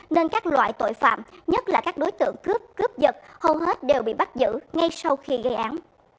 nên các loại tội phạm nhất là các đối tượng cướp cướp giật hầu hết đều bị bắt giữ ngay sau khi gây án